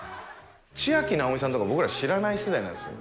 ちあきなおみさんとか、僕ら知らない世代なんですよ。